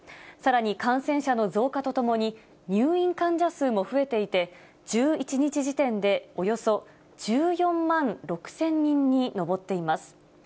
さらに感染者の増加とともに、入院患者数も増えていて、１１日時点でおよそ１４万６０００人に上っています。